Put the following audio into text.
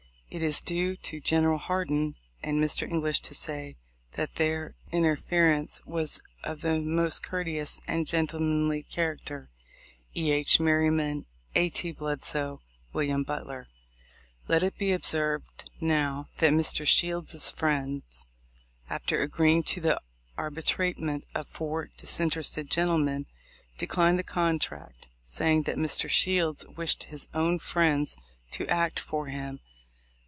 It is due to General Hardin and Mr. English to say that their interference was of the most courteous and gentlemanly character. E. H. Merry man. A. T. Bledsoe. Wm. Butler. Let it be observed now, that Mr. Shields's friends, after agreeing to the arbitrament of four disin terested gentlemen, declined the contract, saying that Mr. Shields wished his own friends to act for THE LIFE OF LINCOLX. 257 him.